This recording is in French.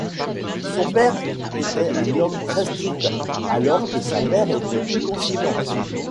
Son père était un homme très strict alors que sa mère était plus conciliante.